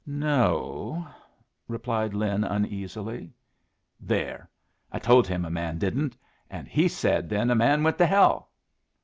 "No," replied Lin, uneasily. "There! I told him a man didn't, an' he said then a man went to hell.